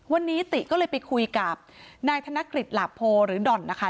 วันนี้ติก็เลยไปคุยกับนายธนกฤษหลาโพหรือด่อนนะคะ